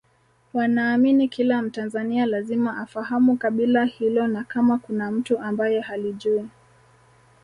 wanaamini kila mtanzania lazima afahamu kabila hilo na kama kuna mtu ambaye halijui